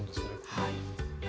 はい。